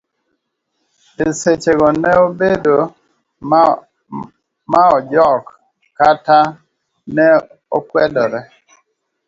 Eseche go ne obedo ma ojok kata ne okwedore.